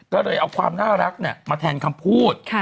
ก็เลยเอาความน่ารักมาแทนคำพูด